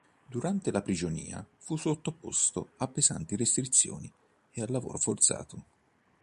Durante la prigionia fu sottoposto a pesanti restrizioni e al lavoro forzato.